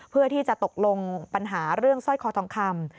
เพื่อที่จะตกลงปัญหาเรื่องสร้อยคอทองคำ